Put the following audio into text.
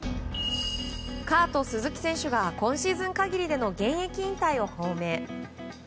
カート・スズキ選手が今シーズン限りでの現役引退を表明。